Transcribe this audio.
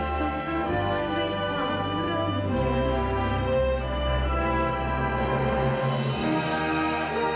สุขสะเรือนมิ่งของรมเหนียง